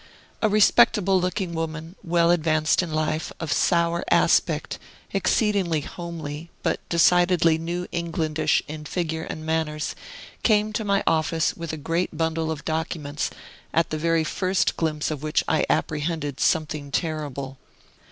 A respectable looking woman, well advanced in life, of sour aspect, exceedingly homely, but decidedly New Englandish in figure and manners, came to my office with a great bundle of documents, at the very first glimpse of which I apprehended something terrible.